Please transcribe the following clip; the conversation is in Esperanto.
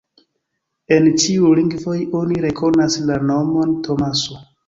En ĉiuj lingvoj oni rekonas la nomon Tomaso.